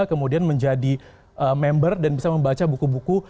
kemudian menjadi member dan bisa membaca buku buku